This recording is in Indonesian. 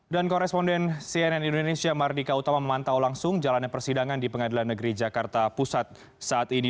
koresponden cnn indonesia mardika utama memantau langsung jalannya persidangan di pengadilan negeri jakarta pusat saat ini